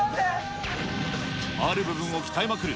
ある部分を鍛えまくる